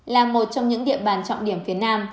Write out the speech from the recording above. là một trong những địa bàn trọng điểm phía nam